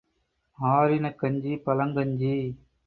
ஆறின கஞ்சி பழங்கஞ்சி.